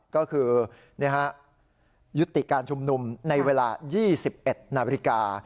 ก็คือยุติการชุมนุมในเวลา๒๑นาฬิกา